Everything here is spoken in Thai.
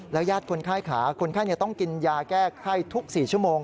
ยาดคนไข้ขาคนไข้ต้องกินยาแก้ไข้ทุก๔ชั่วโมง